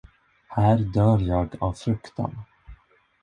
Här dör jag av fruktan.